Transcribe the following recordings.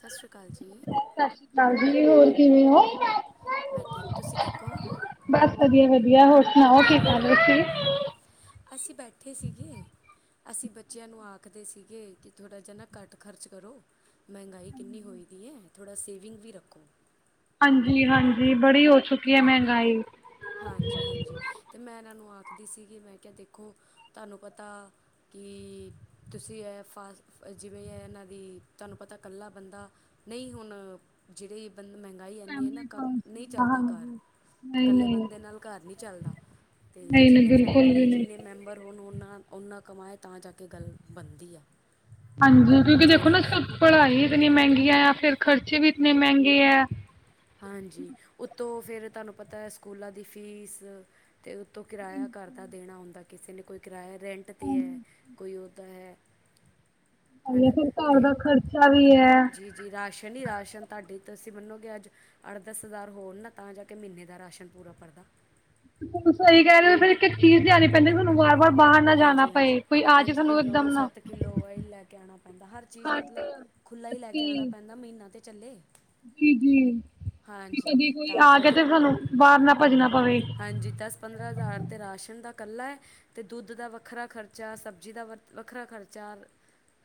ਸਸ ਰੀ ਕਾਲ ਜੀ ਸਸ ਰੀ ਕਾਲ ਜੀ ਹੋਰ ਕਿਵੇਂ ਓ? ਮੈਂ ਠੀਕ, ਅ ਤੁਸੀਂ ਠੀਕ ਓ? ਬਸ ਵਧੀਆ-ਵਧੀਆ ਹੋਰ? ਕੀ ਕਰ ਰਹੇ ਓ? ਅਸੀਂ ਬੈਠੇ ਸੀਗੇ ਅਸੀਂ ਬੱਚਿਆਂ ਨੂੰ ਆਖਦੇ ਸੀਗੇ ਕਿ ਥੋੜ੍ਹਾ ਜਿਹਾ ਨਾ ਘੱਟ ਖਰਚ ਕਰੋ ਮਹਿੰਗਾਈ ਕਿੰਨੀ ਹੋਈ ਦੀ ਏ ਥੋੜ੍ਹਾ ਸੇਵਿੰਗ ਵੀ ਰੱਖੋ ਹਾਂਜੀ-ਹਾਂਜੀ ਬੜੀ ਹੋ ਚੁੱਕੀ ਹੈ ਮਹਿੰਗਾਈ ਹਾਂਜੀ-ਹਾਂਜੀ ਤੇ ਮੈਂ ਇਹਨਾਂ ਨੂੰ ਆਖਦੀ ਸੀਗੀ ਮੈਂ ਕਿਹਾ ਦੇਖੋ ਤੁਹਾਨੂੰ ਪਤਾ ਕਿ ਤੁਸੀਂ ਇਹ ਫਾਸ ਜਿਵੇਂ ਇਹ ਇਹਨਾਂ ਦੀ ਤੁਹਾਨੂੰ ਪਤਾ ਕੱਲਾ ਬੰਦਾ ਨਹੀਂ ਹੁਣ ਜੇਹੜੀ ਬੰ ਮਹਿੰਗਾਈ ਇਨੀੱ ਹੈ ਨਾ ਫੈਮਲੀ ਕੰਮ ਪੋਲਿਸੀ ਨਹੀਂ ਚੱਲਦਾ ਘਰ ਹਾਂਜੀ, ਨਹੀਂ ਇਕੱਲੇ ਨਹੀਂ, ਬੰਦੇ ਨਾਲ ਘਰ ਨਹੀਂ ਚੱਲਦਾ ਤੇ ਨਹੀਂ ਨਹੀਂ ਜਿਨੇੱ ਬਿਲਕੁਲ ਵੀ ਫੈਮਲੀ ਨਹੀਂ। ਜਿਨੇੱ ਮੈਂਮਬਰ ਹੁਣ ਰੋਨ ਓਨਨਾਂ ਓਨਾਂ ਕਮਾਏ ਤਾਂ ਜਾ ਕੇ ਗੱਲ ਬਣਦੀ ਐ ਹਾਂਜੀ ਕਿਉਂਕਿ ਦੇਖੋ ਨਾ ਅੱਜ-ਕੱਲ ਪੜ੍ਹਾਈ ਇਤਨੀ ਮਹਿੰਗੀ ਐ ਫਿਰ ਖਰਚੇ ਵੀ ਇਤਨੇ ਮਹਿੰਗੇ ਐ ਹਾਂਜੀ, ਉੱਤੋਂ ਫਿਰ ਤੁਹਾਨੂੰ ਪਤਾ ਹੈ ਸਕੂਲਾਂ ਦੀ ਫੀਸ ਤੇ ਉਤੋਂ ਕਿਰਾਯਾ ਘਰ ਦਾ ਦੇਣਾ ਹੁੰਦਾ ਕਿਸੇ ਨੇ ਕੋਈ ਕਿਰਾਯਾ ਰੈਂਟ ਤੇ ਐ ਕੋਈ ਉਹ ਤਾਂ ਹੈ ਹੈ ਹਾਂਜੀ, ਨਾ ਫਿਰ ਘਰ ਅਤੇ ਦਾ ਖਰਚਾ ਵੀ ਐ ਜੀ ਜੀ ਰਸਨ ਰਾਸ਼ਨ ਹੀ ਰਾਸ਼ਨ ਤੁਹਾਡੇ ਤੁਸੀਂ ਮੰਨੋਗੇ ਅੱਜ ਅੱਠ-ਦਸ ਹਜ਼ਾਰ ਹੋਣ ਨਾ ਤਾਂ ਜਾ ਕੇ ਮਹੀਨੇ ਦਾ ਰਾਸ਼ਨ ਪੂਰਾ ਪਰਦਾ ਸਹੀ ਕਹਿ ਰਹੇ ਹੋ ਫੇਿਰ ਇੱਕ-ਇੱਕ ਚੀਜ਼ ਲਿਆਨੀ ਕਹਿੰਦੇ ਤੁਹਾਨੂੰ ਵਾਰ-ਵਾਰ ਬਾਹਰ ਨਾ ਜਾਣਾ ਹਾਂਜੀ ਪਏ ਹਾਂਜੀ ਕੋਈ ਆ ਜੇ ਪੰਜ ਤੁਹਾਨੂੰ ਇੱਕਦਮ ਕਿੱਲੋ ਨਾ ਸੱਤ ਕਿੱਲੋ ਆਇਲ ਲੈ ਕੇ ਆਉਣਾ ਪੈਂਦਾ ਹਰ ਚੀਜ਼ ਖੰਡ, ਮਤਲਬ ਖੁੱਲ੍ਹਾ ਹੀ ਲੈ ਕੇ ਆਣਾ ਪੈਂਦਾ ਮਹੀਨਾ ਤੇ ਚੱਲੇ ਜੀ-ਜੀ ਕਿ ਹਾਂਜੀ ਕਦੇ ਕੋਈ ਤਾਂ ਆਗੇ ਕਰਕੇ ਤੇ ਸਾਨੂੰ ਬਾਰ ਨਾ ਭੱਜਣਾ ਪਵੇ ਹਾਂਜੀ ਦਸ ਪੰਦਰਾਂ ਹਜ਼ਾਰ ਤੇ ਰਾਸ਼ਨ ਦਾ ਇਕੱਲਾ ਐ ਤੇ ਦੁੱਧ ਦਾ ਵੱਖਰਾ ਖਰਚਾ, ਸਬਜ਼ੀ ਦਾ ਵ ਵੱਖਰਾ ਖਰਚਾ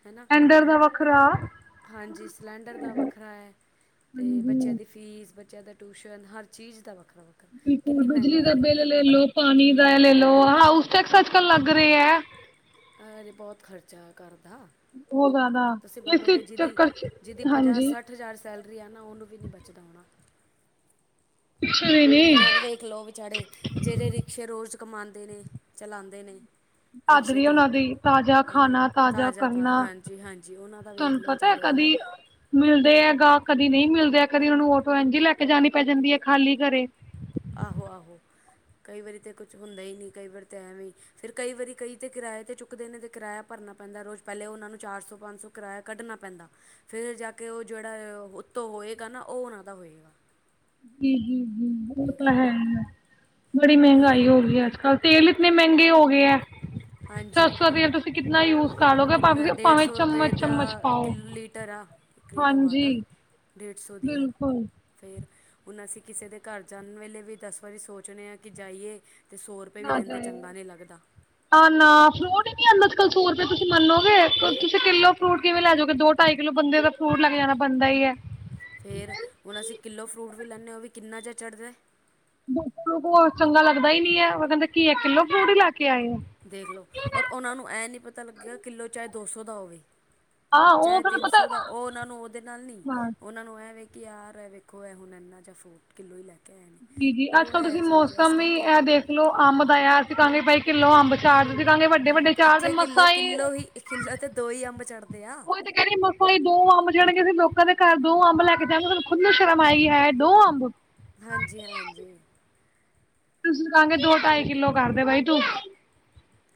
ਹੈ ਨਾ, ਟੈਂਡਰ ਦਾ ਵੱਖਰਾ ਹਾਂਜੀ ਸਲੈਂਡਰ ਦਾ ਵੱਖਰਾ ਹੈ, ਤੇ ਬੱਚੇਆਂ ਹਾਂਜੀ ਦੀ ਫੀਸ ਬੱਚੇਆਂ ਦਾ ਟਿਊਸ਼ਨ, ਹਰ ਚੀਜ਼ ਦਾ ਵੱਖਰਾ ਵੱਖ ਬਿਲਕੁਲ ਬਿਜਲੀ ਦਾ ਬਿੱਲ ਲੈ ਲੋ, ਪਾਣੀ ਦਾ ਐ, ਲੈ, ਹੂੰ, ਲੋ ਹਾਊਸ ਟੈਕਸ ਅੱਜ-ਕਲ ਲੱਗ ਰਹੇ ਐ ਐ, ਅਰੇ ਬੋਤ ਖਰਚਾ ਘਰ ਦਾ ਬੋਤ ਜਾਦਾ ਤੁਸੀਂ ਮੰਨੋਗੇ ਜਿਹਦੀ-ਜਿਹਦੀ ਹਾਂਜੀ ਪੰਜਾਹ-ਸੱਠ ਹਜ਼ਾਰ ਸੈਲਰੀ ਐ ਨਾ ਓਨੂੰ ਵੀ ਨੀ ਬਚਦਾ ਹੋਣਾ ਪਿੱਛੇ ਵੀ ਨੀ ਹੁਣ ਓਹ ਵੇਖ ਲਓ ਵੇਚਾਰੇ ਜੇਹੜੇ ਰਿਕਸ਼ੇ ਰੋਜ਼ ਕਮਾਂਦੇ ਨੇ, ਚਲਾਂਦੇ ਨੇ ਹੱਦ ਰਿਕਸ਼ੇ ਵੀ 'ਤੇ ਓਹਨਾ ਦੀ ਤਾਜ਼ਾ ਹੈ ਖਾਣ ਨਾ ਤਾਜ਼ਾ ਤਾ ਕਰਨਾ ਹਾਂਜੀ ਹਾਂਜੀ ਉਹਨਾਂ ਦਾ ਵੇਖ ਤਾਨੂੰ ਲਓ ਪਤਾ ਵਿਚਾਰਿਆਂ ਕਦੀ ਦਾ ਮਿਲਦੇ ਹੈ ਗਾਹਕ, ਕਦੀ ਨਹੀਂ ਮਿਲਦੇ, ਕਦੀ ਓਹਨੂੰ ਔਟੋ ਇੰਝ ਈ ਲੈ ਕੇ ਜਾਣੀ ਪੈ ਜਾਂਦੀ ਹੈ, ਖਾਲੀ ਘਰੇ ਆਹੋ-ਆਹੋ ਕਈ ਵਾਰੀ ਤਾਂ ਕੁਛ ਹੁੰਦਾ ਹੀ ਨੀ, ਕਈ ਵਾਰ ਤਾਂ ਐਵੇਂ ਈ ਫਿਰ ਕਈ ਵਾਰੀ ਕਈ ਤੇ ਕਿਰਾਏ ਤੇ ਚੁੱਕਦੇ ਨੇ, ਤੇ ਕਿਰਾਯਾ ਭਰਨਾ ਪੈਂਦਾ, ਰੋਜ਼ ਪੈਹਲੇ ਉਹਨਾ ਨੂੰ ਚਾਰ ਸੌ ਪੰਜ ਸੌ ਕਿਰਾਯਾ ਕੱਢਣਾ ਪੈਂਦਾ, ਫਿਰ ਜਾ ਕੇ ਉਹ ਜੇਹੜਾ ਓ ਉੱਤੋਂ ਹੋਏਗਾ ਨਾ, ਓਹ ਓਹਨਾਂ ਦਾ ਹੋਏਗਾ ਓਹ ਵੇਖ ਤਾ ਲਓ ਹੈ, ਆ, ਬੜੀ ਉਹੀ ਮੈਹਂਗਾਈ ਹੋ ਗਈ ਐ, ਅੱਜ-ਕੱਲ ਤੇਲ ਇਤਨੇ ਮੇਂਗੇ ਹੋ ਗਏ ਐ, ਹਾਂਜੀ ਸਰਸੋ ਦਾ ਤੇਲ ਤੁਸੀਂ ਕਿਤਨਾ ਯੂਜ਼ ਕਿੰਨਾ ਡੇਢ ਸੌ ਰੁਪਏ ਦਾ ਕੀਲ- ਲੀਟਰ ਆ ਲੀਟਰ ਹਾਂਜੀ ਬੋਟਲ ਡੇਢ ਸੌ ਦੀ ਆ ਬਿਲਕੁਲ ਫੇਰ ਹੁਣ ਅਸੀਂ ਕਿਸੇ ਦੇ ਘਰ ਜਾਣ ਵੇਲੇ ਵੀ ਦਸ ਵਾਰੀ ਸੋਚਦੇ ਆ ਕਿ ਜਾਈਏ ਤੇ ਸੌ ਰੁਪਏ ਵੀ ਦੇਂਦੇ ਚੰਗਾ ਨਈ ਲੱਗਦਾ। ਅ ਨਾ ਫਰੂਟ ਈ ਨੀ ਆਂਦਾ ਅੱਜ- ਕੱਲ ਸੌ ਰੁਪਏ ਤੁਸੀਂ ਮੰਨੋਗੇ ਤੁਸੀਂ ਕਿੱਲ ਫਰੂਟ ਕਿਵੇਂ ਲੈ ਜਾਓਗੇ, ਦੋ ਟਾਈ ਕਿੱਲੋ ਬੰਦੇ ਦਾ ਫਰੂਟ ਲੈ ਕੇ ਜਾਣਾ ਬਣਦਾ ਈ ਆ। ਫੇਰ ਹੁਣ ਅਸੀਂ ਕਿੱਲੋ ਫਰੂਟ ਵੀ ਲੈਂਦੇ ਆ, ਓ ਵੀ ਕਿੰਨਾ ਜੇਆ ਚੜ੍ਹਦਾ। ਬ ਚੰਗਾ ਲੱਗਦਾ ਹੀ, ਨੀ ਹੈ, ਓਹ ਕੈਂਦੇ ਕੀ ਆ, ਕਿੱਲੋ ਫਰੂਟ ਲੈ ਕੇ ਆਏ ਔ। ਦੇਖਲੋ ਔਰ ਓਹਨਾਂ ਨੂੰ ਏਹ ਨਈ ਪਤਾ ਲੱਗੇਆ, ਕਿੱਲੋ ਚਾਹੇ ਦੋ ਸੌ ਦਾ ਹੋਵੇ। ਹਾਂ ਉਹ ਚਾਹੇ ਫਿਰ ਤਿੰਨ ਪਤਾ ਸੌ ਦਾ, ਓਹ ਓਹਨਾਂ ਨੂੰ ਓਹਦੇ ਨਾਲ ਨਈ ਹਾਂ ਓਹਨਾਂ ਨੂੰ ਐਂ ਵੇ ਕੀਆਰ ਏ ਵੇਖੋ ਏਹ ਹੁਣ ਏਨਾ ਜੇਆ ਫਰੂਟ ਕਿੱਲੋ ਹੀ ਲੈ ਕੇ ਆਏ ਨੇ, ਜੀ ਓਹ ਐ ਚੀਜ਼ ਆ ਇਸ ਕਰਕੇ ਕਿਲੋ ਅੰਬ ਦਾ ਅਸੀਂ ਕਹਾਂਗੇ ਬਾਈ ਕਿੱਲੋ ਅੰਬ ਚਾਰ ਦੇਦੇ ਅਸੀ ਕਹਾਂਗੇ ਵੱਡੇ- ਵੱਡੇ ਚਾਰ ਤੇ ਕਿੱਥੇ ਕਿੱਲੋ ਮਸਾਂ -ਕਿੱਲੋ ਹੀ ਇੱਕ ਕਿੱਲੋ ਤੇ ਦੋ ਹੀ ਅੰਬ ਚੜ੍ਹਦੇ ਆ। ਇੱਕ ਏ, ਵੀ ਮਸਲਾ, ਈ ਦੋ ਅੰਬ ਚੜਗੇ, ਅਸੀ ਲੋਕਾਂ ਦੇ ਘਰ ਦੋ ਅੰਬ ਲੈ ਕੇ ਜਾਵਾਗੇ, ਸਾਨੂੰ ਖੁਦ ਨੂੰ ਸ਼ਰਮ ਆਏਗੀ ਹਾਏ -ਹਾਏ ਦੋ ਅੰਬ ਹਾਂਜੀ, ਹਾਂਜੀ। ਤੁਸੀਂ ਕਹਾਂਗੇ ਦੋ ਢਾਈ ਕਿੱਲੋ ਕਰਦੇ ਬਾਈ ਤੂੰ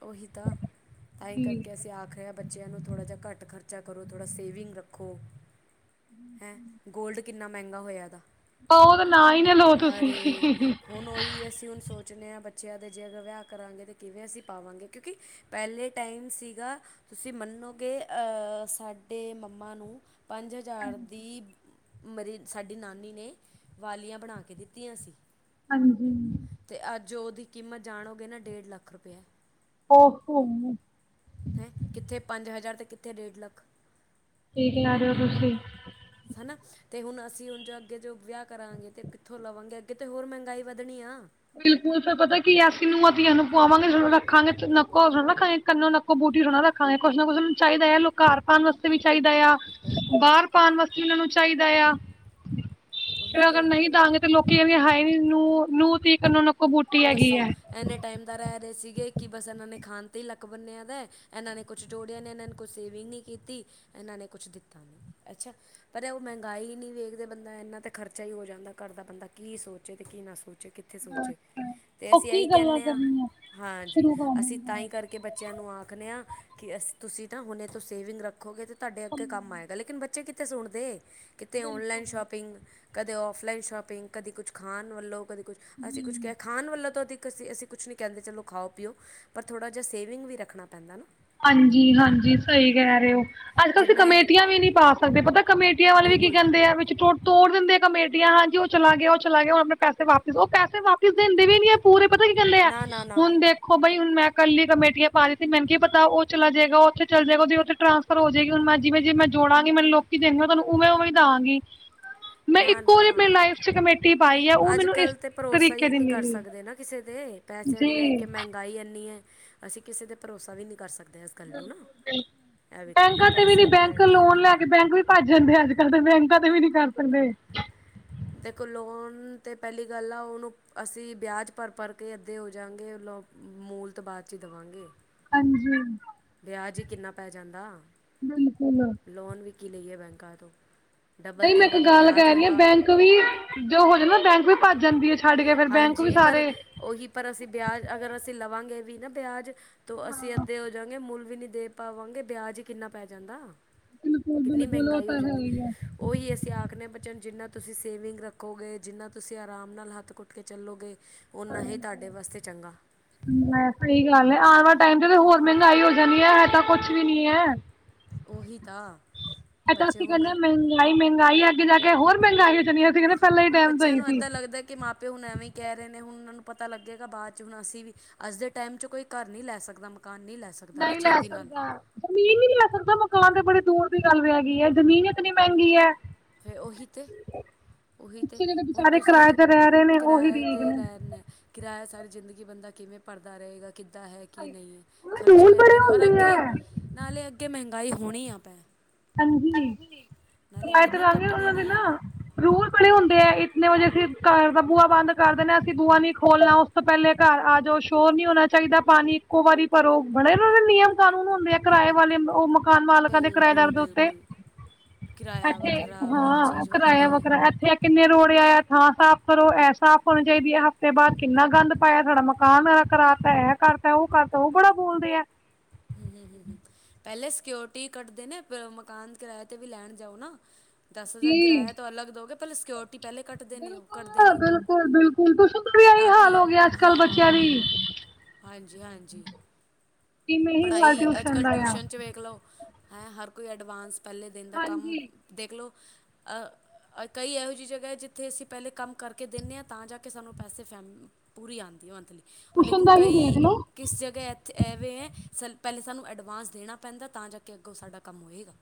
ਓਹੀ ਤਾਂ ਤਾਂਹੀ ਜੀ ਕਰਕੇ ਅਸੀਂ ਆਖ ਰਹੇ ਬੱਚੇ ਬੱਚੇਆਂ ਨੂੰ ਥੋੜ੍ਹਾ ਜੇਹਾ ਘੱਟ ਖਰਚਾ ਕਰੋ ਥੋੜ੍ਹਾ ਸੇਵਿੰਗ ਰੱਖੋ। ਹੈਂ, ਗੋਲਡ ਕਿੰਨਾ ਮੇੰਹਗਾ ਹੋਇਆ ਦਾ। ਓਹ ਤਾਂ ਨਾ, ਈ, ਨਾ ਲਓ ਤੁਸੀਂ ਅਰੇ ਹਮ ਹੁਣ ਓਹੀ ਅਸੀਂ ਹੁਣ ਸੋਚਦੇ ਆ, ਬੱਚੇਆਂ ਦੇ ਜੇ ਅਗਰ ਵਿਆਹ ਕਰਾਂਗੇ ਤਾਂ ਕਿਵੇਂ ਅਸੀਂ ਪਾਵਾਂਗੇ, ਕਿਉਂਕਿ ਪੈਲੇ ਟਾਈਮ ਸੀਗਾ, ਤੁਸੀਂ ਮੰਨੋਗੇ ਅਹ ਸਾਡੇ ਮੰਮਾ ਨੂੰ ਪੰਜ ਹਜ਼ਾਰ ਦੀ ਮਰੀ ਸਾਡੀ ਨਾਨੀ ਨੇ ਵਾਲੀਆਂ ਬਣਾ ਕੇ ਦਿੱਤੀਆਂ ਸੀ। ਹਾਂਜੀ। ਤੇ ਅੱਜ ਓਹਦੀ ਕੀਮਤ ਜਾਣੋਗੇ ਨਾ ਡੇਢ ਲੱਖ ਰੁਪੇਆ। ਓਹੋ। ਹੈ, ਕਿੱਥੇ ਪੰਜ ਹਜ਼ਾਰ ਤੇ ਕਿੱਥੇ ਡੇਢ ਲੱਖ। ਕੀ ਖਿਲਾ ਰੋ ਤੁਸੀਂ। ਹਨਾ। ਤੇ ਹੁਣ ਅਸੀਂ ਹੁਣ ਜੋ ਅੱਗੇ ਜੋ ਵਿਆਹ ਕਰਾਂਗੇ ਤੇ ਕਿੱਥੋਂ ਲਵਾਂਗੇ ਅੱਗੇ ਤੇ ਹੋਰ ਮਹਿੰਗਾਈ ਵੱਧਣੀ ਆ। ਬਿਲਕੁਲ ਫੇਰ ਪਤਾ ਕਿ ਅਸੀਂ ਨੂੰਹਾਂ ਧੀਆਂ ਨੂੰ ਪਵਾਂਗੇ ਜਦੋਂ ਰੱਖਾਂਗੇ ਨੱਕੋ ਗੇ ਕੰਨੌ, ਨੱਕ ਕੋ ਬੂਟੀ ਥੋੜਾ ਰੱਖਾਂਗੇ, ਕੁਛ ਨਾ ਕੁਛ ਉਣੁ ਚਾਹੀਦਾ ਆ ਉਹ ਲੋਕ ਕਰ ਪਾਣ ਵਾਸਤੇ ਵੀ ਚਾਹੀਦਾ ਆ। ਬਿਲਕੁਲ ਬਾਹਰ ਪਾਣ ਵਾਸਤੇ ਇਹਨਾਂ ਨੂੰ ਚਾਹੀਦਾ ਆ, ਉਹੀ ਫੇਰ ਅਗਰ ਤੇ ਨਹੀਂ ਦਾਂਗੇ ਲੋਕੀ ਏ ਵੇ ਹਾਏ ਨੂੰ, ਨੂੰ ਤੀ ਕਨੋ ਨੱਕ ਦੱਸੋ। ਇੰਨੇ ਟਾਈਮ ਦਾ ਰਹਿ ਰਹੇ ਸੀਗੇ ਕਿ ਬਸ ਇਹਨਾਂ ਨੇ ਖਾਣ ਤੇ ਹੀ ਲੱਕ ਬੰਨਿਆ ਦਾ, ਇਹਨਾਂ ਨੇ ਕੁਛ ਜੋੜਿਆਂ ਨੇ ਇਹਨਾਂ ਨੂੰ ਕੋਈ ਸੇਵਿੰਗ ਨਹੀਂ ਕੀਤੀ, ਇਹਨਾਂ ਨੇ ਕੁਛ ਦਿੱਤਾ ਨਹੀਂ। ਅੱਛਾ, ਪਰ ਉਹ ਮਹਿੰਗਾਈ ਨਹੀਂ ਵੇਖਦੇ ਬੰਦਾ ਇੰਨਾ ਤਾਂ ਖਰਚਾ ਹੀ ਹੋ ਜਾਂਦਾ ਕਾਰ ਦਾ, ਬੰਦਾ ਕੀ ਸੋਚੇ ਤੇ ਕੀ ਨਾ ਸੋਚੇ ਕਿੱਥੇ ਸੋਚੇ। ਅਤੇ ਉਹ ਅਸੀਂ ਕੀ ਇਹੀ ਗੱਲਾਂ ਕਹਿੰਨੇ ਆਂ, ਕਰਨੀਆਂ ਹਾਂਜੀ ਸ਼ੁਰੂ ਕਰ ਅਸੀਂ ਦਿੰਦੇ ਤਾਂਹੀ ਆ। ਕਰਕੇ ਬੱਚਿਆਂ ਨੂੰ ਆਖਨੇ ਹਾਂ ਕਿ ਅਸੀਂ ਤੁਸੀਂ ਤਾਂ ਹੁਣੇ ਤੋਂ ਸੇਵਿੰਗ ਰੱਖੋਗੇ ਤੇ ਤੁਹਾਡੇ ਅੱਗੇ ਕੰਮ ਆਏਗਾ, ਲੇਕਿਨ ਬੱਚੇ ਕਿੱਥੇ ਸੁਣਦੇ ਕਿਤੇ ਬਿਲਕੁਲ ਔਨਲਾਈਨ ਸ਼ੋਪਿੰਗ ਕਦੇ ਔਫਲਾਈਨ ਸ਼ੋਪਿੰਗ ਕਦੇ ਕੁਛ ਖਾਣ ਵੱਲੋਂ ਕਦੇ ਕੁਛ ਅਸੀਂ ਜੀ। ਕੁਛ ਕਿਹਾ ਖਾਣ ਵੱਲੋਂ ਤਾਂ ਅਧਿਕ ਅਸੀਂ ਅਸੀਂ ਕੁਛ ਨਹੀਂ ਕਹਿੰਦੇ ਚਲੋ ਖਾਓ ਪੀਓ, ਪਰ ਥੋੜ੍ਹਾ ਜਿਹਾ ਸੇਵਿੰਗ ਵੀ ਰੱਖਣਾ ਪੈਂਦਾ ਨਾ। ਹਾਂਜੀ-ਹਾਂਜੀ ਸਹੀ ਕਹਿ ਰੇ ਓ। ਅੱਜ ਕੱਲ੍ਹ ਤੁਸੀਂ ਜਿੰਨਾ ਇਹ ਕਮੇਟੀਆਂ ਵੀ ਨਹੀਂ ਪਾ ਸਕਦੇ, ਪਤਾ ਕਮੇਟੀਆਂ ਵਾਲੇ ਵੀ ਕੀ ਬਿਲਕੁਲ ਕਹਿੰਦੇ ਆ ਵਿੱਚੋ ਤੋੜ ਦਿੰਦੇ ਆ ਕਮੇਟੀਆਂ, ਹਾਂਜੀ ਉਹ ਚਲਾ ਗਿਆ ਉਹ ਚਲਾ ਗਿਆ, ਹੁਣ ਆਪਣੇ ਪੈਸੇ ਵਾਪਿਸ, ਉਹ ਪੈਸੇ ਵਾਪਿਸ ਦੇਿੰਦੇ ਵੀ ਨ ਆ ਪੂਰੇ ਪਤਾ ਕੀ ਕਹਿੰਦੇ ਆ ਨਾ ਨਾ ਨਾ ਹੁਣ ਦੇਖੋ ਬਾਈ ਹੁਣ ਮੈਂ ਕੱਲੀ ਕਮੇਟੀਆਂ ਪਾ ਦਿੱਤੀ ਮੈਨੂੰ ਕੀ ਪਤਾ ਤਾਂ ਉਹ ਚਲਾ ਜਾਏਗਾ ਉਥੇ ਚਲਾ ਜਾਏਗਾ ਉਹਦੀ ਉੱਥੇ ਟਰਾਂਸਫਰ ਹੋ ਜਾਏਗੀ ਹੁਣ ਮੈਂ ਜਿਵੇਂ ਜਿ ਮੈਂ ਜੋੜਾਂਗੀ ਮੈਨੂੰ ਲੋ ਕਿ ਦੇਣਗੇ ਮੈ ਤੁਹਾਨੂੰ ਉਵੇਂ ਉਵੇਂ ਦਾਗੀ। [inaudible] ਨਾ-ਨਾ, ਕਮੇਟੀ ਪਾਈ ਆ ਉਹ ਅੱਜ ਮੈਨੂੰ ਇਸ ਕੱਲ ਤੇ ਭਰੋਸਾ ਤਰੀਕੇ ਹੀ ਦੀ ਨਹੀਂ ਕਰ ਮਿਲੀ। ਸਕਦੇ ਨਾ ਕਿਸੇ ਦੇ। ਪੈਸਿਆਂ ਨੂੰ ਲੈ ਜੀ ਕੇ ਮਹਿੰਗਾਈ ਇੰਨੀ ਐ, ਅਸੀਂ ਕਿਸੇ ਤੇ ਭਰੋਸਾ ਵੀ ਨਹੀਂ ਕਰ ਸਕਦੇ। ਗੱਲ ਨੂੰ ਨਾ ਇਹ ਵੇਖੋ ਨਾ ਬੈਂਕਾਂ ਤੇ ਵੀ ਨੀ ਪੈਸਿਆਂ ਨੂੰ ਲੈ ਬੈਂਕ ਲੋਨ ਲੈ ਕੇ ਬੈਂਕ ਵੀ ਭੱਜ ਜਾਂਦੇ, ਅੱਜ ਕੱਲ ਬੈਂਕਾਂ ਵੀ ਨਹੀਂ ਕਰ ਸਕਦੇ। ਦੇਖੋ ਲੋਨ ਤਾਂ ਪਹਿਲੀ ਗੱਲ ਆ ਉਹਨੂੰ ਅਸੀਂ ਵਿਆਜ ਭਰ ਭਰ ਕੇ ਅੱਧੇ ਹੋ ਜਾਂਗੇ, ਲੋ ਮੂਲ ਤਾ ਬਾਦ ਚ ਹੀ ਦਵਾਂਗੇ। ਹਾਂਜੀ। ਵਿਆਜ ਹੀ ਕਿੰਨਾ ਪੈ ਜਾਂਦਾ। ਬਿਲਕੁਲ। ਲੋਨ ਵਿ ਕੀ ਲਈਏ ਬੈਂਕਾਂ ਤੋਂ, ਡਬਲ ਤੇ ਉਹਨਾਂ ਦਾ ਵਿਆਜ ਹੁੰਦਾ। ਕਵੀ ਜੋ ਹੋ ਜਾ ਨਾ ਬੈਂਕ ਵੀ ਭੱਜ ਜਾਂਦੀ ਐ, ਛੱਡ ਕੇ ਫੇਰ ਬੈਂਕ ਵੀ ਹਾਂਜੀ ਪਰ ਸਾਰੇ ਉਹੀ ਪਰ ਅਸੀਂ ਵਿਆਜ ਅਗਰ ਅਸੀਂ ਲਵਾਂਗੇ ਵੀ ਨਾ ਵਿਆਜ ਤੋਂ ਅਸੀਂ ਅਦ ਦੇ ਹੋ ਜਾਂਗੇ, ਮੂੰਲ ਵੀ ਨੀ ਦੇ ਪਾਵਾਂਗੇ ਵਿਆਜ ਹੀ ਕਿੰਨਾ ਪੈ ਜਾਂਦਾ। ਬਿਲਕੁਲ ਕਿੰਨੀ ਬਿਲਕੁਲ ਉਹ ਮਹਿੰਗਾਈ ਤਾਂ ਹੋ ਹੈ ਜਾਂਦੀ। ਹੀ ਆ ਉਹੀ ਅਸੀਂ ਆਖਨੇ ਹਾਂ ਬੱਚਿਆਂ ਨੂੰ ਜਿੰਨਾ ਤੁਸੀਂ ਸੇਵਿੰਗ ਰੱਖੋਗੇ ਜਿੰਨਾ ਤੁਸੀਂ ਆਰਾਮ ਨਾਲ ਹੱਥ ਕੁੱਟ ਟ ਕੇ ਚੱਲੋਗੇ ਓਨਾ ਹੀ ਤੁਹਾਡੇ ਵਾਸਤੇ ਚੰਗਾ। ਮੈਂ ਸਹੀ ਗੱਲ ਐ, ਆਣ ਵਾਲੇ ਟਾਈਮ ਤੇ ਹੋਰ ਮਹਿੰਗਾਈ ਹੋ ਜਾਣੀ ਐ, ਇਹ ਤਾਂ ਕੁਛ ਵੀ ਨੀ ਐ। ਉਹੀ ਤਾਂ, ਇਹ ਤਾਂ ਬੱਚੇ ਅਸੀਂ ਹੁਣ ਕਹਿੰਦੇ [unintelligible] ਮਹਿੰਗਾਈ ਐ ਅੱਗੇ ਜਾ ਕੇ ਹੋਰ ਮਹਿੰਗ ਹੋ ਜਾਣੀ ਐ, ਅੱਸੀ ਕਹਿੰਦੇ ਪਹਿਲਾਂ ਹੀ ਹੁਣ ਟਾਈਮ ਬੱਚਿਆਂ ਸਹੀ ਨੂੰ ਸੀ ਇੱਦਾਂ ਲੱਗਦਾ ਕਿ ਮਾ ਪਿਓ ਹੁਣ ਐਵੇਂ ਹੀ ਕਹਿ ਰਹੇ ਨੇ ਹੁਣ ਉਹਨਾਂ ਨੂੰ ਪਤਾ ਲੱਗੇਗਾ ਬਾਅਦ ਚ, ਹੁਣ ਅਸੀਂ ਵੀ ਅੱਜ ਦੇ ਟਾਈਮ ਚ ਕੋਈ ਘਰ ਨਈ ਲੈ ਸਕਦਾ, ਮਕਾਨ ਨਈ ਲੈ ਸਕਦਾ। ਨਾ ਨਈ ਲੈ ਛੇਤੀ ਨਾਲ ਸਕਦਾ। ਜ਼ਮੀਨ ਵੀ ਨੀ ਲੈ ਸਕਦਾ ਮਕਾਨ ਤੇ ਬੜੀ ਦੂਰ ਦੀ ਗੱਲ ਰੈ ਗਈ ਐ। ਜ਼ਮੀਨ ਇਤਨੀ ਮਹਿੰਗੀ ਐ। ਫਿਰ ਉਹੀ ਤੇ ਉਹੀ ਤੇ, ਪਿੱਛੇ ਜਿਹੜੇ ਹੁਣ ਵਿਚਾਰੇ ਤੁਸੀਂ ਕਿਰਾਏ ਤੇ ਰਹਿ ਰਹੇ ਨੇ ਉਹੀ ਕਿਰਾਏ ਠੀਕ ਤੇ ਨੇ ਲੈਨ- ਕਿਰਾਇਆ ਸਾਰੀ ਜ਼ਿੰਦਗੀ ਬੰਦਾ ਕਿਵੇਂ ਭਰਦਾ ਰਹੇਗਾ। ਕਿੱਦਾਂ ਹੈ ਕੀ ਨਈ ਐ। ਰੂਲ ਖਰਚੇ ਬੜੇ ਇੰਨੇ ਨੇ, ਔਰ ਹੁੰਦੇ ਆ ਅੱਗੇ ਨਾਲੇ ਅੱਗੇ ਮਹਿੰਗਾਈ ਹੋਣੀ ਆ ਪੈ ਹਾਂਜੀ, ਨਾਲੇ ਕਿਰਾਏ ਇਹ ਤੇ ਨਹੀਂ ਰਾਂਗੇ ਕੱਟਣੀ ਉਹਨਾਂ ਦੇ ਨਹੀਂ ਆ ਨਾ ਰੂਲ ਬਣੇ ਹੋ ਹੁੰਦੇ ਐ ਇਤਨੇ ਵਜੇ ਅਸੀਂ ਘਰ ਦਾ ਬੂਆ ਬੰਦ ਕਰ ਦੇਣਾ, ਅਸੀਂ ਬੂਆ ਨੀ ਖੋਲਣਾ ਉਸ ਤੋਂ ਪਹਿਲੇ ਘਰ ਆ ਜੌ, ਸ਼ੋਰ ਨੀ ਹੋਣਾ ਚਾਹੀਦਾ ਪਾਣੀ ਇੱਕੋ ਵਾਰੀ ਭਰੋ, ਬੜੇ ਉਹਨਾਂ ਦੇ ਨਿਯਮ ਕਾਨੂੰਨ ਹੁੰਦੇ ਆ ਕਿਰਾਏ ਵਾਲੇ ਉਹ ਮਕ ਮਾਲਕਾਂ ਦੇ ਕਿਰਾਏਦਾਰਾਂ ਬਿਲਕੁਲ ਦੇ ਦੇ ਉੱਤੇ, ਬਿਲਕੁਲ ਕਿਰਾਇਆ ਐਥੇ ਵੱਖਰਾ ਹਰ ਹਾਂ ਚੀਜ਼ ਕਰਾਇਆ ਵੱਖਰੀ ਵੱਖਰਾ ਐਥੇ ਕਿੰਨੇ ਰੋੜਇਆ, ਥਾਂ ਸਾਫ਼ ਕਰੋ, ਇਹ ਸਾਫ਼ ਹੋਣੀ ਚਾਹੀਦੀ ਐ, ਤੇ ਹਫ਼ਤੇ ਬਾਅਦ ਕਿੰਨਾ ਗੰਦ ਪਾਇਆ ਤੁਹਡਾ ਮਕ ਕਾਨ ਐਹ ਕਰਾਤਾ, ਇਹ ਕਰਤਾ ਉਹ ਕਰਤਾ ਉਹ ਬੜਾ ਬੋਲਦੇ ਆ। ਹੂ ਹੂ ਹੂ ਪਹਿਲੇੇ ਸਿਕਿਓਰਟੀ ਕਢਦੇ ਨੇ, ਬੇ ਓ ਮਕਾਨ ਕਿਰਾਏ 'ਤੇ ਵੀ ਲੈਣ ਜਾਓ ਨਾ ਦਸ ਹਜ਼ਾਰ ਜੀ ਕਿਰਾਇਆ ਤੋਂ ਅਲੱਗ ਦਓਗੇ ਪਹਿਲੇ ਸਕਿਓਰਟੀ ਪਹਿਲੇ ਕੱਟਦੇ ਨੇ ਉਹ, ਕਡਦੇ ਬਿਲਕੁਲ ਨੇ ਬਿਲਕੁਲ ਬਿਲਕੁ ਤਾਂ ਕਿ ਹਾਂ ਦੀ ਹਾਂ, ਹਾਂਜੀ ਹਾਂਜੀ। ਜਿਵੇਂ ਹੀ ਹਾਲ ਪੜ੍ਹਾਈ ਅੱਜ ਕੱਲ੍ਹ ਦਾ ਆ ਟਿਊਸ਼ਨ 'ਚ ਵੇਖ ਲਓ ਹੈਂ ਹਰ ਕੋਈ ਐਡਵਾਂਸ ਪਹਿਲੇ ਦਿਨ ਦਾ ਕੰਮ ਹਾਂਜੀ ਦੇਖ ਲਓ ਅ ਕਈ ਇਹੋ ਜਿਹੀ ਜਗ੍ਹਾ ਐ, ਜਿੱਥੇ ਅਸੀਂ ਪਹਿਲੇ ਕੰਮ ਕਰਕੇ ਦਿੰਨੇ ਆ, ਤਾਂ ਜਾ ਕੇ ਸਾਨੂੰ ਪੈਸੇ ਫੈਮ ਪੂਰੀ ਆਂਦੀ ਹੈ ਮੰਥਲੀ ਔਰ ਟਿਊਸ਼ਨ ਲੇਕਿਨ ਦਾ ਹੀ ਕਈ ਦੇਖ ਲਓ ਕਿਸ ਜਗ੍ਹਾ ਇੱਥੇ ਐਵੇ ਐ, ਸ ਪਹਿਲੇ ਸਾਨੂੰ ਐਡਵਾਂਸ ਦੇਣਾ ਪੈਂਦਾ ਤਾਂ ਜਾ ਕੇ ਅੱਗੋਂ ਸਾਡਾ ਕੰਮ ਹੋਏਗਾ।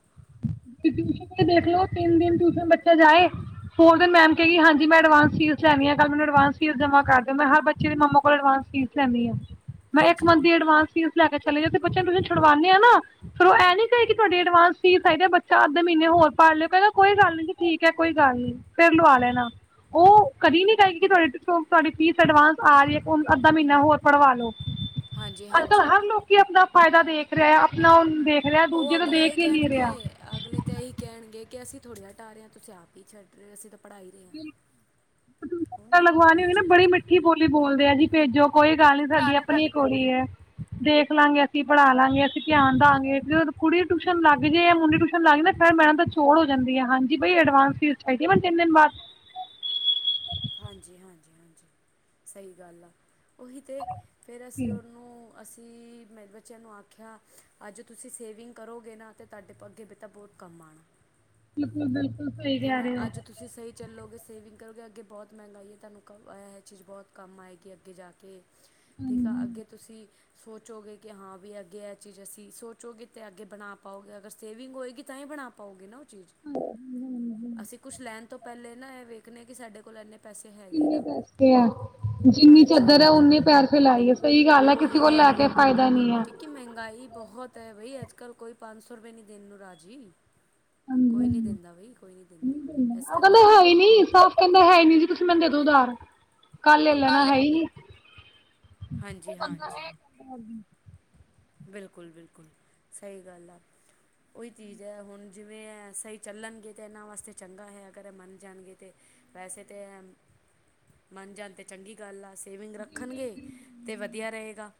ਟਿਊਸ਼ਨ ਦਾ ਦੇਖ ਲੋੋ ਤਿੰਨ ਦਿਨ ਟਿਊਸ਼ਨ ਬੱਚਾ ਜਾਏ ਫੋਰ ਦਿਨ ਤੇ ਮੈਮ ਕਿਹੇਗੀ ਕੀ ਹਾਂਜੀ ਮੈਂ ਐਡਵਸ ਫੀਸ ਲੈਣੀ ਐ, ਕੱਲ ਮੈਨੂੰ ਅਡਵਾਂ ਫੀਸ ਜਮ੍ਹਾਂ ਕਰ ਦਿਓ ਮੈਂ ਹਰ ਬੱਚੇ ਦੇ ਮਮਾ ਕੋਲ ਅਡਵਾਂਸ ਫੀਸ ਲੈਂਦੀ ਐ, ਮੈਂ ਇੱਕ ਹਾਂਜੀ ਮੰਥ ਦੀ ਅਡਵਾਂਸ ਫੀਸ ਲੈ ਕੇ ਚਲੇ ਜ ਤੇ ਬੱਚੇ ਨੂੰ ਤੁਸੀਂ ਛੁਡਾਉਦੇ ਆ ਨਾ ਫੇਰ ਉਹ ਇਹ ਨੀ ਕਹੇ ਕਿ ਤੁਹਾਡੀ ਐਡਵਾਂਸ ਫੀਸ ਹੈਗੇ ਬੱਚਾ ਅੱਧੇ ਮਹੀਨੇ ਹੋਰ ਪਾ ਲਿਓ ਕੇਂਦਾ ਕੋਈ ਗੱਲ ਨੀ ਠੀਕ ਐ, ਕੋਈ ਗੱਲ ਨੀ ਫਿਰ ਲਵਾ ਲੈਣਾ। ਉਹ ਕਦੀ ਨੀ ਕਏਗੀ ਕਿ ਤੁਹਾ ਤੁਹਾਡੀ ਫੀਸ ਅਡਵਾਂਸ ਆ ਰਹੀ ਆ, ਹੁਨ ਅੱਧਾ ਮਹੀਨਾ ਹੋਰ ਪੜਵਾ ਲੋ। ਹਾਂਜੀ ਅੱਜ ਕੱਲ ਹਾਂਜੀ ਹਰ ਲੋਕੀ ਆਪਣਾ ਫਾਇਦਾ ਦੇਖ ਰਿਹਾ ਆਪਣਾ ਓਨ ਦੇਖ ਰੇਹਾ ਉਹ ਦੂਜੇ ਤੋਂ ਅਗਲੇ ਇਹੀ ਦੇਖ ਹੀ ਨੀ ਕਹਿਣਗੇ ਅਗਲੇ ਤਾਂ ਇਹੀ ਕਹਿਣਗੇ ਕਿ ਅਸੀਂ ਥੋੜ੍ਹੇ ਹਟਾ ਰੇ ਆ ਤੁਸੀਂ ਆਪ ਹੀ ਛੱਡ ਰਹੇ ਹੋ, ਅਸੀਂ ਤਾਂ ਪੜ੍ਹਾ ਹੀ ਰਹੇ ਹਾਂ ਕੀ [inaudible] ਗਰ ਲਗਵਾਣੀ ਉਹੀ ਹੋਏਗੀ ਨਾ ਚੀਜ਼ ਬੜੀ ਮਿੱਠੀ ਬੋਲੀ ਬੋਲਦੇ ਆ ਜੀ, ਭੇਜੋ ਕੋਈ ਗੱਲ ਨੀ, ਸਾਡੀ ਆਪਣੀ ਕੁੜੀ ਐ। ਦੇਖ ਲਾਂਗੇ, ਅਸੀਂ ਪੜ੍ਹਾ ਲਾਂਗੇ, ਅਸੀਂ ਧਿਆਨ ਦਾਂਗੇ, ਜਦੋਂ ਕੁੜੀ ਟਿਊਸ਼ਨ ਲੱਗ ਜੇ, ਮੁੰਡੀ ਟਿ ਸਨ ਲੱਗ ਜ਼ੇ ਨਾ ਫਿਰ ਮੈਡਮ ਤਾਂ ਚੋੜ ਹੋ ਜਾਂਦੀ ਐ, ਹਾਂਜੀ ਬਈ ਐਡਵਾਂਸ ਫੀਸ ਚਾਹੀਦੀ ਆ ਮੈਨੁੰ ਤਿੰਨ ਦਿਨ ਬਾਅਦ। ਹਾਂਜੀ- ਹਾਂਜੀ -ਹਾਂਜੀ, ਸਹੀ ਗੱਲ ਆ, ਉਹੀ ਤੇ ਫਿਰ ਅਸੀਂ ਉਹਨੂੰ ਅਸੀਂ, ਮੈਂ ਤੇ ਬੱਚਿਆਂ ਨੂੰ ਆਖਿਆ, ਅੱਜ ਤੁਸੀਂ ਸੇਵਿੰਗ ਕਰੋਗੇ ਨਾ, ਅਤੇ ਤੁਹਾਡੇ ਅੱਗੇ ਬੇਟਾ ਬਹੁਤ ਕਮਂ ਆਣਾ। ਬਿਲਕੁਲ ਬਿਲ ਹਨਾ, ਅੱਜ ਤ ਤੁਸੀਂ ਸਹੀ ਚੱਲੋਗੇ, ਸੇਵਿੰਗ ਕਰੋਗੇ, ਅੱਗੇ ਬਹੁਤ ਮਹਿੰਗਾਈ ਹੈ, ਤੁਹਾਨੂੰ ਕ ਇਹ ਚੀਜ਼ ਬਹੁਤ ਕੰਮ ਆਏਗੀ ਅੱਗੇ ਜਾ ਕੇ। ਠੀਕ ਆ, ਅੱਗੇ ਤੁਸੀਂ ਸੋਚੋਗੇ ਕਿ ਹਾਂ ਵੀ ਅੱਗੇ ਇਹ ਚੀਜ਼ ਅਸੀਂ, ਸੋਚੋਗੇ ਤੇ ਅੱਗੇ ਬਣਾ ਪਾਓਗੇ, ਅਗਰ ਸੇਵਿੰਗ ਹੋਵੇਗੀ, ਤਾਂ ਹੀ ਬਣਾ ਪਾਉਗੇ ਨਾ, ਉਹ ਚੀਜ਼ ਅਸੀਂ ਕੁਛ ਲੈਣ ਤੋਂ ਪਹਿਲੇ ਨਾ, ਇਹ ਵੇਖਣੇ ਕਿ ਸਾਡੇ ਕੋਲ ਇੰਨੇ ਪੈਸੇ ਹੈਗੇ ਕਿੰਨੇ ਨਾ ਦਸਯਾ? ਜਿੰਨੀ ਹਾਂਜੀ ਚਦਰ ਹੈ, ਹਾਂਜੀ ਉਹਨੇ ਪੈਰ ਫੈਲਾਈਐ, ਸਹੀ ਗੱਲ ਹੈ। ਕਿਸੇ ਕੋਲ ਲੈ ਕੇ ਫਾਇਦਾ ਨੀ ਹੈ। ਕਿ ਮਹਿੰਗਾਈ ਬਹੁਤ ਹੈ ਬਈ, ਅੱਜ-ਕੱਲ੍ਹ ਕੋਈ ਪੰਜ ਸੌ ਰੁਪਏ ਨਹੀਂ ਦੇਣ ਨੂੰ ਰਾਜੀ! ਕੋਈ ਨੀ ਹਾਂਜੀ ਦਿੰਦਾ ਬਈ ਕੋਈ ਨਹੀਂ ਦਿੰਦਾ ਇਸ ਉਹ ਕਰਕੇ ਕਹਿੰਦਾ-ਹੈ ਹੀ ਨੀ, ਸਾਫ਼ ਕਹਿੰਦਾ-ਹੈ ਹੀ ਨੀ ਜੀ, ਤੁਸੀਂ ਮੈਨੂੰ ਦੇ ਦੋ ਉਧਾਰ ਕੱਲ ਲੈ ਲੈਣਾ, ਹੈ ਹੀ ਨੀ ਉਹ ਹਾਂਜੀ ਬੰਦਾ ਹਾਂਜੀ ਏ ਬਿਲਕੁਲ, ਬਿਲਕੁਲ। ਸਹੀ ਗੱਲ ਆ ਉਹੀ ਚੀਜ਼ ਹੈ, ਹੁਣ ਜਿਵੇਂ-ਇਹ ਸਹੀ ਚੱਲਣਗੇ ਤਾਂ ਇਹਨਾਂ ਵਾਸਤੇ ਚੰਗਾ ਹੈ, ਅਗਰ ਇਹ ਮੰਨ ਜਾਣਗੇ ਤੇ ਵੈਸੇ ਤੇ ਐ ਮੰਨ ਜਾਂਦੇ ਚੰਗੀ ਗੱਲ ਆ। ਸੇਵਿੰਗ ਰੱਖਣਗੇ, ਤੇ ਵਧੀਆ ਰਹੇਗਾ।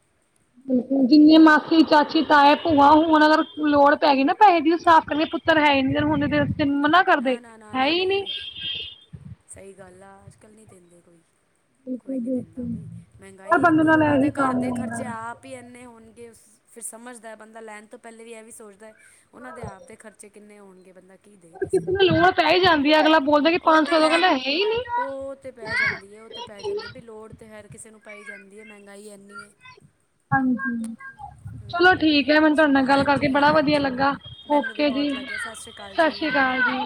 ਜਿੰਨੀਆਂ ਮਾਸੀ, ਚਾਚੀ, ਤਾਏ, ਭੂਆ ਹੁਣ ਅਗਰ ਲੋੜ ਪੈ ਗਈ ਨਾ, ਪੈਹੇ ਦੀ ਉਹ ਸਾਫ਼ ਕਰਨਗੇ ਪੁ ਤਰ ਹੈ ਹੀ ਨੀ, ਜ ਹੁੰਦੇ ਤੇ ਤੇਨੁ ਮਨਾ ਕਰਦੇ, ਨਾ ਨਾ ਨਾ ਹੈ ਨਾ ਹੀ ਨੀ। ਬਈ ਸਹੀ ਗੱਲ ਆ, ਅੱਜ-ਕੱਲ ਨੀ ਦਿੰਦੇ ਕੋਈ। ਕੋਈ ਨੀ ਦਿੰਦਾ ਬਈ, ਮਹਿੰਗਾਈ ਬੰਦੇ ਇਨੀ ਆ ਨਾਲ ਉਨਾਂ ਦੇ ਇਹੀ ਘਰ ਕੰਮ ਦੇ ਹੁੰਦਾ ਖਰਚੇ ਹੈ ਆਪ ਵੀ ਇੰਨੇ ਹੋਣਗੇ ਫਿਰ ਸਮਝਦਾ ਬੰਦਾ, ਲੈਣ ਤੋਂ ਪਹਿਲੇ ਵੀ ਇਹ ਵੀ ਸੋਚਦਾ ਹੈ, ਉਹਨਾਂ ਦੇ ਆਪ ਦੇ ਖਰਚੇ ਕਿੰਨੇ ਹੋਣਗੇ ਬੰਦਾ ਕੀ ਦੇ ਕਿਸ ਕਿਸੇ ਨੂੰ ਲੋੜ ਪੈ ਹੀ ਜਾਂਦੀ ਹੈ---ਅਗਲਾ ਬੋਲਦਾ ਕਿ ਪੰਜ ਤੇ ਸੌ ਦੋ, ਉਹ ਲੈ ਕਹਿੰਦਾ ਹੈ ਹੀ ਨੀ ਉ---ਹ ਤੇ ਪੈ ਜਾਂਦੀ ਹੈ, ਉਹ ਤੇ ਪੈ ਜਾਂਦੀ ਹੈ, ਵੀ ਲੋੜ ਤਾਂ ਹਰ ਕਿਸੇ ਨੂੰ ਪੈਈ ਜਾਂਦੀ ਹੈ, ਮਹਿੰਗਾਈ ਐੰਨੀ ਹੈ ਹਾਂਜੀ ਚਲੋ ਹੂੰ ਠੀਕ ਹੈ ਮੈਨੂੰ ਤੁਹਾਡੇ ਨਾਲ ਗੱਲ ਕਰਕੇ ਹਾਂਜੀ, ਬੜਾ ਵਧੀਆ ਹਾਂਜੀ। ਲੱਗਾ ਮੈਨੂੰ ਵੀ ਓਕੇ ਜੀ ਬਹੁਤ ਲੱਗਿਆ। ਸਤਿ ਸ਼੍ਰੀ ਅਕਾਲ ਜੀ! ਸ਼੍ਰੀ ਅਕਾਲ ਜੀ